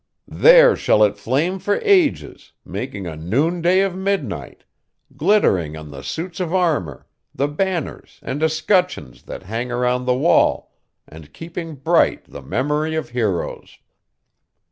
There shall it flame for ages, making a noonday of midnight, glittering on the suits of armor, the banners, and escutcheons, that hang around the wall, and keeping bright the memory of heroes.